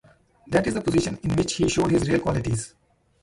That is the position in which he showed his real qualities.